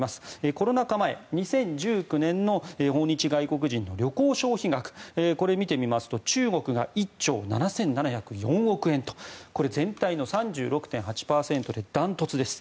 コロナ禍前、２０１９年の訪日外国人の旅行消費額これ、見てみますと中国が１兆７７０４億円とこれ、全体の３６．８％で断トツです。